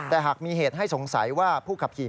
แต่หากมีเหตุให้สงสัยว่าผู้ขับขี่